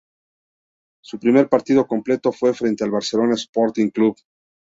Su primer partido completo fue frente al Barcelona Sporting Club.